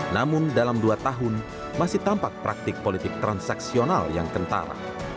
namun dalam dua tahun masih tampak praktik politik transaksional yang kentara